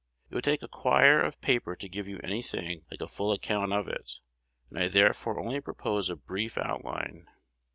It would take a quire of paper to give you any thing like a full account of it, and I therefore only propose a brief outline.